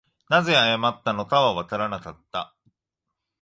何故謝ったのかはわからなかった